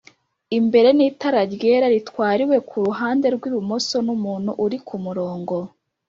Imbere n itara ryera ritwariwe ku ruhande rw ibumoso n umuntu uri ku murongo